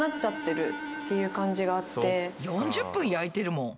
４０分焼いてるもん。